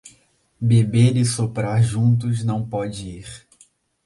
Beber e soprar juntos não pode ir.